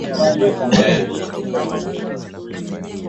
hasa katika swala la kutafuta mbinu za kumaliza mzozo wa sarafu